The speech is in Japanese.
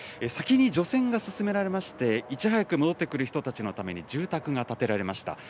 先に除染が進められまして、いち早く戻ってくる人たちのために、住宅が建てられました。